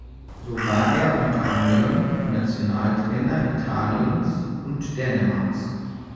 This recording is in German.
So war er unter anderem Nationaltrainer Italiens und Dänemarks.